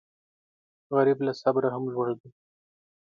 غریب له صبره هم لوړ دی